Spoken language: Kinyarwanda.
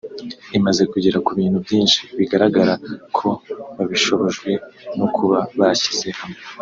imaze kugera ku bintu byinshi bigaragara ko babishobojwe no kuba bashyize hamwe